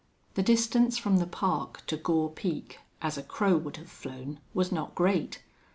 The distance from the Park to Gore Peak, as a crow would have flown, was not great.